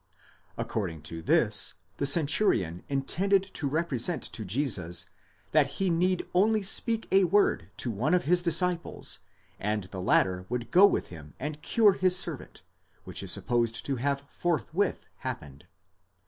According to this, the centurion intended to represent to Jesus, that he need only speak a word to one of his disciples, and the latter would go with him and cure his servant, which is supposed to have forthwith happened.